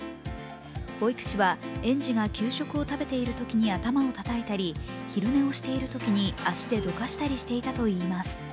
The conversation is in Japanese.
保育士は、園児が給食を食べているときに頭をたたいたり、昼寝をしているときに足でどかしたりしていたといいます。